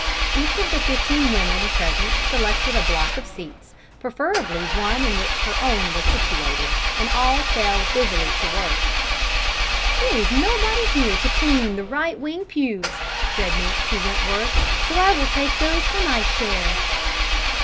Each of the fifteen women present selected a block of seats, preferably one in which her own was situated, and all fell busily to work. "There is nobody here to clean the right wing pews," said Nancy Wentworth, "so I will take those for my share."